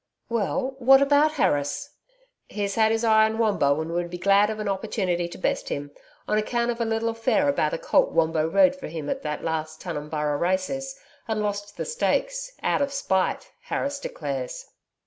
'Well, what about Harris?' 'He's had his eye on Wombo and would be glad of an opportunity to best him on account of a little affair about a colt Wombo rode for him at the last Tunumburra races and lost the stakes out of spite, Harris declares.'